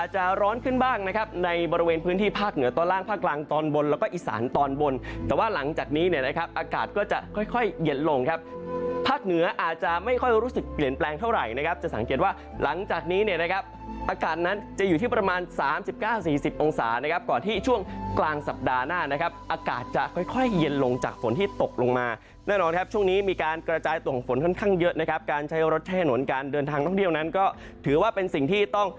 จะร้อนขึ้นบ้างนะครับในบริเวณพื้นที่ภาคเหนือตอนล่างภาคกลางตอนบนแล้วก็อีสานตอนบนแต่ว่าหลังจากนี้เนี่ยนะครับอากาศก็จะค่อยค่อยเย็นลงครับภาคเหนืออาจจะไม่ค่อยรู้สึกเปลี่ยนแปลงเท่าไหร่นะครับจะสังเกตว่าหลังจากนี้เนี่ยนะครับอากาศนั้นจะอยู่ที่ประมาณสามสิบเก้าสี่สิบองศานะครับก่อนท